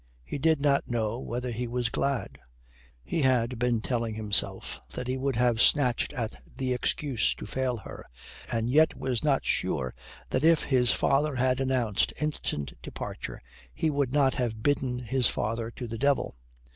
He did not know whether he was glad. He had been telling himself that he would have snatched at the excuse to fail her, and yet was not sure that if his father had announced instant departure he would not have bidden his father to the devil.